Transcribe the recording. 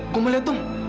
kamu liat tuh